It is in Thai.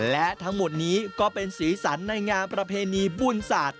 และทั้งหมดนี้ก็เป็นสีสันในงานประเพณีบุญศาสตร์